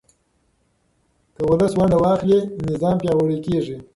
که ولس ونډه واخلي، نظام پیاوړی کېږي.